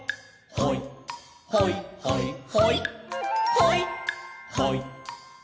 「ほいほいほいほいほい」